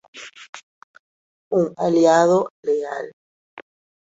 De modo que hicieron elegir gobernador a Rodríguez, a quien consideraban un aliado leal.